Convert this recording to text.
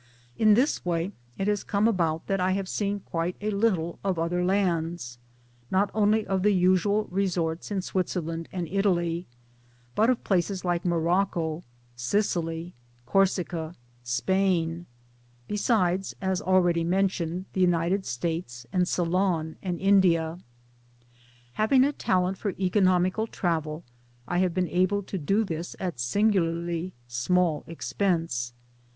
In this way it has come about that I have seen quite a little of other lands not only of the usual resorts in Switzerland and Italy, but of places like Morocco, Sicily, Corsica, Spain, besides (as already mentioned) the United States and Ceylon and India. Having, a talent for economical travel I have been able to do this at singularly small expense.